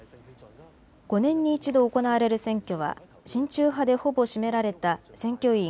５年に１度行われる選挙は親中派でほぼ占められた選挙委員